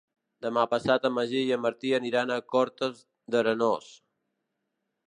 Demà passat en Magí i en Martí aniran a Cortes d'Arenós.